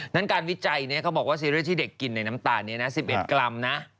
นั่นการวิจัยเขาบอกว่าซีเรียสที่เด็กกินน้ำตาล๑๑กรัม